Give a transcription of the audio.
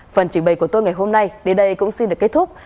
phần trình bày của tôi ngày hôm nay đến đây cũng xin được kết thúc